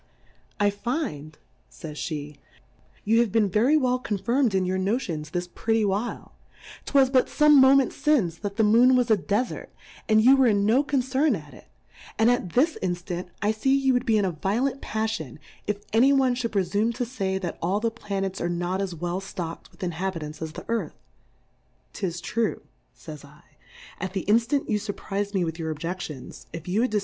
I find, fays (he ^ you have been very well coafirm'd in your No tions Plurality ^/WORLDS. 93 tionsjthis pretty while : 'Twas but fbme Moments fince, that the Moon was a Defart, and you were in no Concern at it; and at this Inftant, I fee you would be in a violent Paffion, if any one fiiould prefume to fay, that all the Planets are not as well ItockM with Inhabitants as the Earth. 'Tis true, fays /, at the Inftant you furpriz'd me with your Objections, if you had dif.